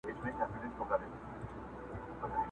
کورونا جدي وګڼئ!!